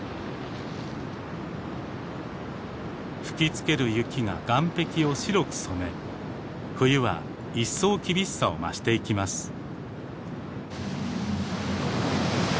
吹きつける雪が岩壁を白く染め冬はいっそう厳しさを増していきます。